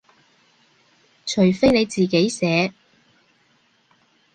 除非你自己寫